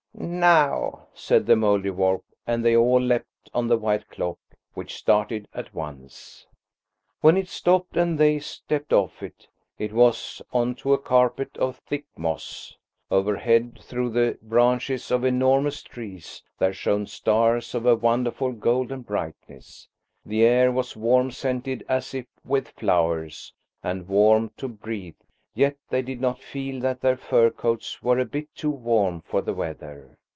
"Now!" said the Mouldiwarp, and they all leapt on the white clock, which started at once. When it stopped, and they stepped off it, it was on to a carpet of thick moss. Overhead, through the branches of enormous trees, there shone stars of a wonderful golden brightness. The air was warm scented as if with flowers, and warm to breathe, yet they did not feel that their fur coats were a bit too warm for the weather.